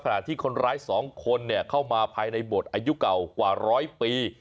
ขณะที่คนร้าย๒คนเข้ามาภายในบทอายุเก่ากว่าร้อยปี